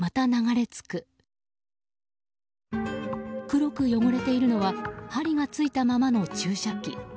黒く汚れているのは針がついたままの注射器。